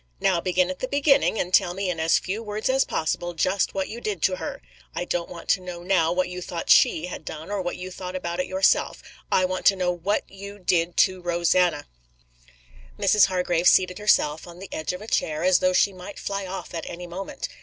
Now begin at the beginning and tell me in as few words as possible just what you did to her. I don't want to know now what you thought she had done or what you thought about it yourself. I want to know what you did to Rosanna." Mrs. Hargrave seated herself on the edge of a chair as though she might fly off at any moment.